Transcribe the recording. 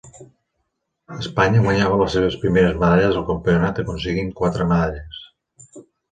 Espanya guanyava les seves primeres medalles al campionat aconseguint quatre medalles.